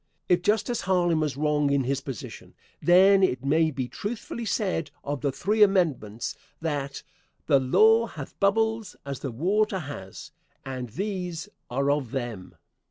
If Justice Harlan was wrong in his position, then, it may truthfully be said of the three amendments that: "The law hath bubbles as the water has, And these are of them."